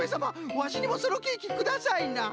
ワシにもそのケーキくださいな。